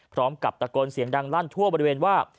พร้อมกับตะโกนเสียงดังลั่นทั่วบริเวณว่า